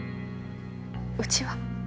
うちは？